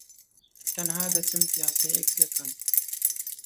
تەنھا دەچم پیاسەیەک دەکەم.